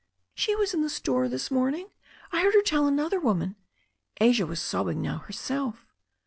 "She was in the store this morning. I heard her tell another woman " Asia was sobbing now herself.